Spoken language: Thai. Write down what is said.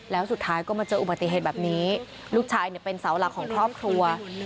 แล้วสุดท้ายก็มาเจออุบัติเหตุแบบนี้ลูกชายเนี่ยเป็นเสาหลักของครอบครัว